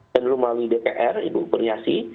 dan rumah wdpr ibu pernyasi